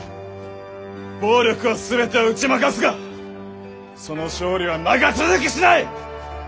暴力は全てを打ち負かすがその勝利は長続きしない！